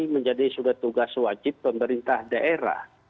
menjadi sudah tugas wajib pemerintah daerah